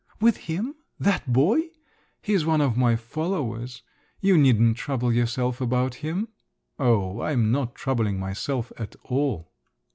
"With him? that boy? He's one of my followers. You needn't trouble yourself about him!" "Oh, I'm not troubling myself at all."